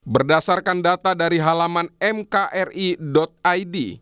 berdasarkan data dari halaman mkri id